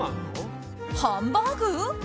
ハンバーグ？